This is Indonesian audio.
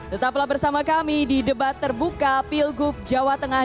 tetaplah bersama kami di debat terbuka pilgub jawa tengah dua ribu delapan belas